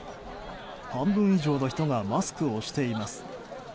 半分以上の人がマスクをしています。